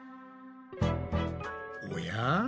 おや？